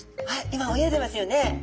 今泳いでますよね。